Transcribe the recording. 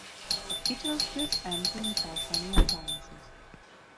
A kitchen feels empty without any appliances.